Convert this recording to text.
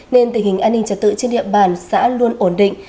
nên tình hình an ninh trật tự trên địa bàn xã luôn ổn định